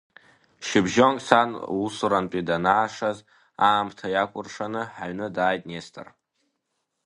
Шьыбжьонк, сан усурантәи данаашаз аамҭа иақәыршәаны, ҳаҩны дааит Нестор.